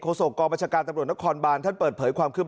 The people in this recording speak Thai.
โฆษกรบัญชาการตำรดนครบานท่านเปิดเผยความขึ้น